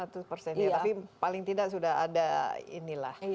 tapi paling tidak sudah ada inilah